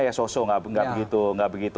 ya sosok nggak begitu